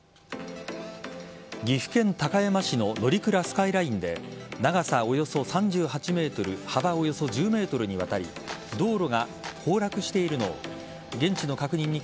岐阜県高山市の乗鞍スカイラインで長さおよそ３８ｍ幅およそ１０ｍにわたり道路が崩落しているのを